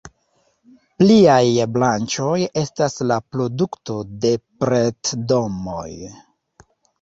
Pliaj branĉoj estas la produkto de pret-domoj.